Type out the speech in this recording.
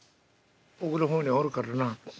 奥の方におるからな。